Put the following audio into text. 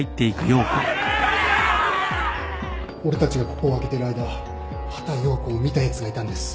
俺たちがここを空けてる間畑葉子を見たやつがいたんです